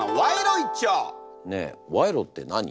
ねえ賄賂って何？